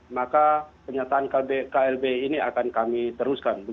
maka pernyataan klb ini akan kami teruskan